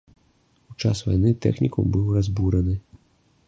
У час вайны тэхнікум быў разбураны.